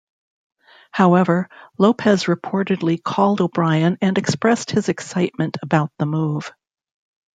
However, Lopez reportedly called O'Brien and expressed his excitement about the move.